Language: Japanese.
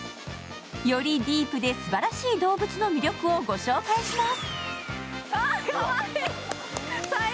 よりディープですばらしい動物の魅力をご紹介します。